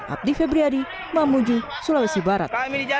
abdi febriadi mamuju sulawesi barat